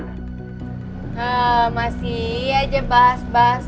nah masih aja bahas bahas